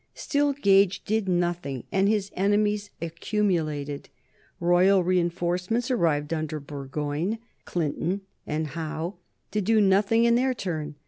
Still Gage did nothing and his enemies accumulated. Royal reinforcements arrived under Burgoyne, Clinton, and Howe, to do nothing in their turn.